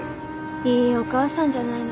いいお母さんじゃないの。